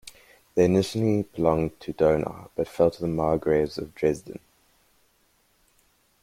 They initially belonged to Dohna, but fell to the Margraves of Dresden.